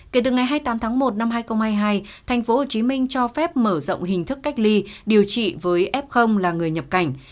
kể từ ngày hai mươi tám tháng một năm hai nghìn hai mươi hai tp hcm cho phép mở rộng hình thức cách ly điều trị với f là người nhập cảnh